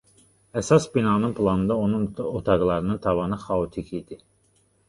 Əsas binanın planında onun otaqlarının tavanı xaotik idi.